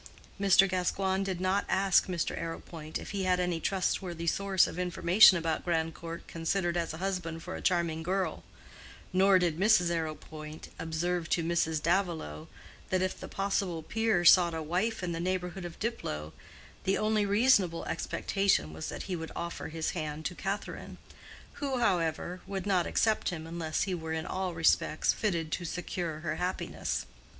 Mr. Gascoigne did not ask Mr. Arrowpoint if he had any trustworthy source of information about Grandcourt considered as a husband for a charming girl; nor did Mrs. Arrowpoint observe to Mrs. Davilow that if the possible peer sought a wife in the neighborhood of Diplow, the only reasonable expectation was that he would offer his hand to Catherine, who, however, would not accept him unless he were in all respects fitted to secure her happiness.